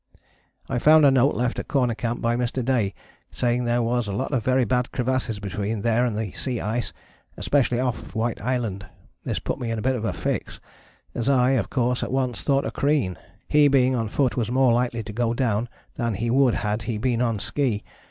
I found a note left at Corner Camp by Mr. Day saying there was a lot of very bad crevasses between there and the sea ice, especially off White Island. This put me in a bit of a fix, as I, of course, at once thought of Crean. He being on foot was more likely to go down than he would had he been on ski.